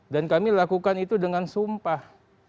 dan kami lakukan itu dengan sumpah